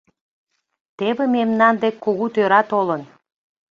— Теве мемнан дек кугу тӧра толын.